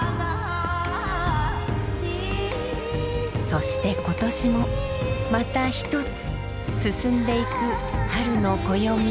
そして今年もまた一つ進んでいく春の暦。